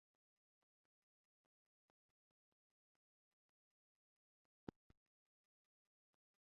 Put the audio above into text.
Poste li science laboris en Zuriko kaj Vieno.